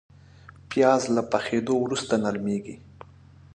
پیاز له پخېدو وروسته نرمېږي